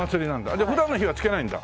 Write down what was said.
じゃあ普段の日は着けないんだ？